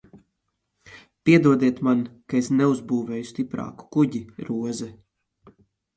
Piedodiet man, ka es neuzbūvēju stiprāku kuģi, Roze!